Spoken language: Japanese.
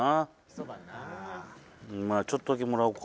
まあちょっとだけもらおうか。